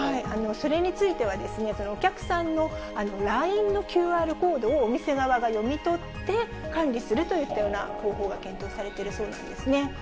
それについては、お客さんのＬＩＮＥのＱＲコードをお店側が読み取って、管理するといったような方法が検討されているそうなんですね。